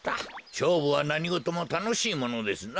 しょうぶはなにごともたのしいものですな。